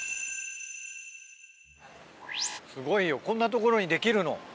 すごいよ、こんな所にできるの？